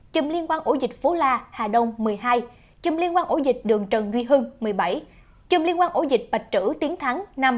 chùm liên quan ổ dịch phú la hà đông một mươi hai chùm liên quan ổ dịch đường trần nguy hưng một mươi bảy chùm liên quan ổ dịch bạch trữ tiến thắng năm